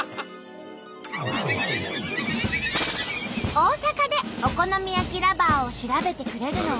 大阪でお好み焼きＬｏｖｅｒを調べてくれるのは。